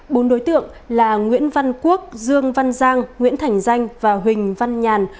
bốn đối tượng là nguyễn văn quốc dương văn giang nguyễn thành danh và huỳnh văn nhàn